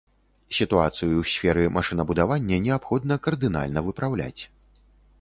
Сітуацыю ў сферы машынабудавання неабходна кардынальна выпраўляць.